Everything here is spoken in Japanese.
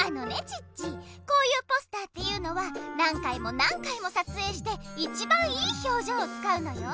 チッチこういうポスターっていうのは何回も何回もさつえいして一番いいひょうじょうをつかうのよ。